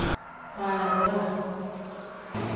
Faaziraa.